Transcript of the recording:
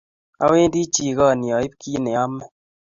awendi jikoni aib kit ne a ame